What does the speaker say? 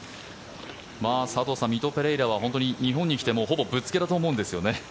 佐藤さん、ミト・ペレイラは日本に来てもうほぼぶっつけだと思うんですよね。